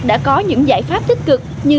đã có những giải pháp tích cực như